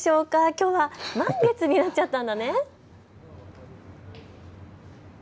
きょうは満月になっちゃったんだね。